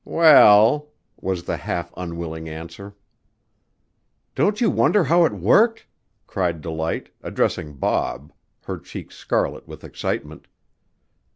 "Well," was the half unwilling answer. "Don't you wonder how it worked?" cried Delight, addressing Bob, her cheeks scarlet with excitement.